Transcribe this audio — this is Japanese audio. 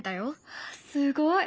すごい！